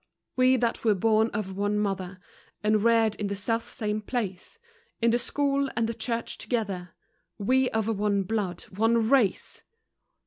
We, that were born of one mother, And reared in the self same place, In the school and the church together, We of one blood, one race!